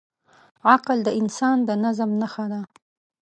عقل د انسان د نظم نښه ده.